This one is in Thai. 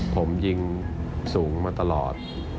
ผมยิงสูงมาตลอด